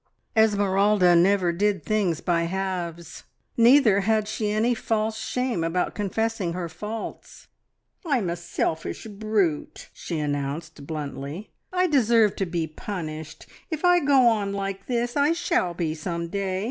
Esmeralda never did things by halves; neither had she any false shame about confessing her faults. "I'm a selfish brute," she announced bluntly. "I deserve to be punished. If I go on like this I shall be some day!